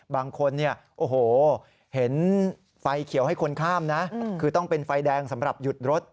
บางคนเนี่ยโอ้โหเห็นไฟเขียวให้คนข้ามนะคือต้องเป็นไฟแดงสำหรับหยุดรถ